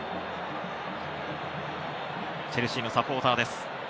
チェルシーのサポーターです。